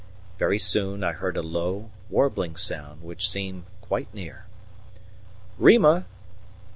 Very soon I heard a low, warbling sound which seemed quite near. "Rima!